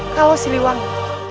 kalau si liwangi